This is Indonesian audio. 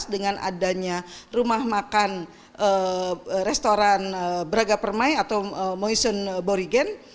dengan adanya rumah makan restoran braga permai atau moison borigen